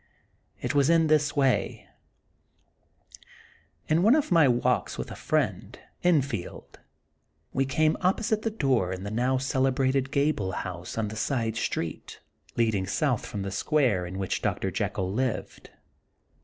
It was in this way : In one of my walks with a friend, Enfield, we came opposite the door in the now celebrated gabled house on the side street leading south from the square in which Dr. Jekyll lived.